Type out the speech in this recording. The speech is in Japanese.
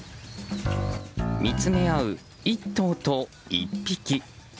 見つめ合う１頭と１匹。